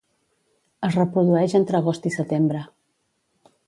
Es reprodueix entre agost i setembre.